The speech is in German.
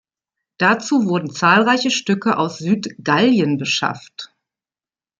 Dazu wurden zahlreiche Stücke aus Südgallien beschafft.